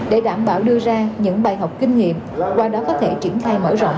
để đảm bảo đưa ra những bài học kinh nghiệm qua đó có thể triển khai mở rộng